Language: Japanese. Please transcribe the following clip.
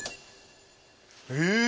え！